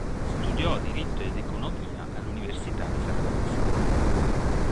Studiò diritto ed economia all'università di Saragozza.